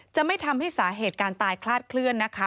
จะไม่ทำให้สาเหตุการณ์ตายคลาดเคลื่อนนะคะ